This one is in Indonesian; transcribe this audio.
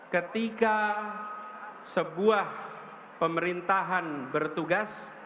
ketika sebuah pemerintahan bertugas